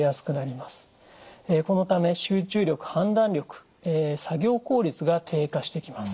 このため集中力判断力作業効率が低下してきます。